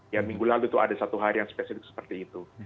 ya minggu lalu itu ada satu hari yang spesifik seperti itu